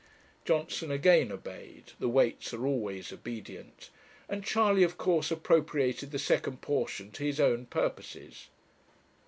Johnson again obeyed the Weights are always obedient and Charley of course appropriated the second portion to his own purposes.